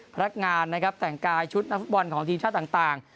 พนักงานนะครับแต่งกายชุดนักฟุตบอลของทีมชาติต่าง